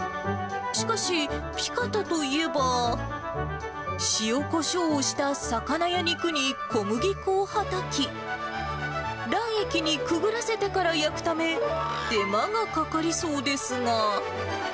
しかし、ピカタといえば、塩こしょうをした魚や肉に、小麦粉をはたき、卵液にくぐらせてから焼くため、手間がかかりそうですが。